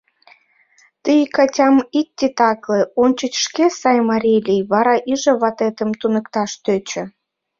Тый Катям ит титакле, ончыч шке сай марий лий, вара иже ватетым туныкташ тӧчӧ.